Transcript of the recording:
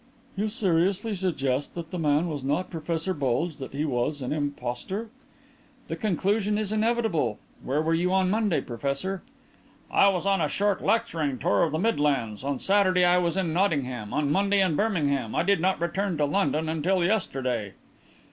"You seriously suggest that the man was not Professor Bulge that he was an impostor?" "The conclusion is inevitable. Where were you on Monday, Professor?" "I was on a short lecturing tour in the Midlands. On Saturday I was in Nottingham. On Monday in Birmingham. I did not return to London until yesterday."